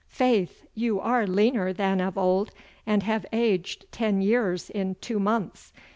'Faith! you are leaner than of old, and have aged ten years in two months.